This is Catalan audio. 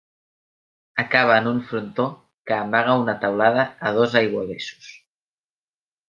Acaba en un frontó que amaga una teulada a dos aiguavessos.